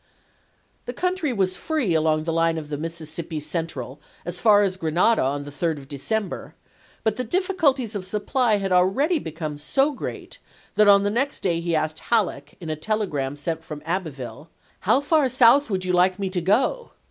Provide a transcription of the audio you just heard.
The country was free along the line of the Mississippi Central as far as Grenada on the 3d of December, but the difficulties of supply had already become so great that on the next day he asked Halleck, in a tele Grant gram sent from Abbeville, "how far south would De<?£Uie862! y°u like me to go f